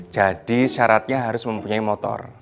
jadi syaratnya harus mempunyai motor